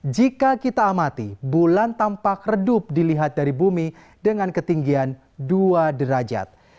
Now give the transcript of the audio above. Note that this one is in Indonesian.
jika kita amati bulan tampak redup dilihat dari bumi dengan ketinggian dua derajat